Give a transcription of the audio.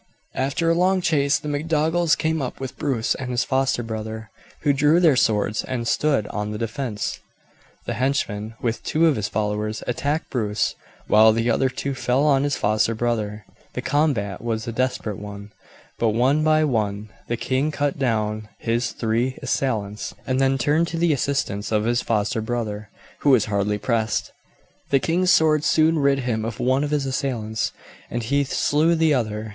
After a long chase the MacDougalls came up with Bruce and his foster brother, who drew their swords and stood on the defence. The henchman, with two of his followers, attacked Bruce, while the other two fell on his foster brother. The combat was a desperate one, but one by one the king cut down his three assailants, and then turned to the assistance of his foster brother, who was hardly pressed. The king's sword soon rid him of one of his assailants, and he slew the other.